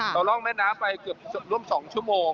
เราลองแม่น้ำไปร่วม๒ชั่วโมง